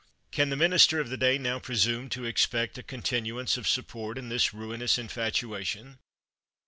Can the minister of the day now presume to expect a continuance of support in this ruinous infatuation?